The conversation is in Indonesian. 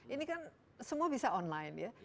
ini kan semua bisa online ya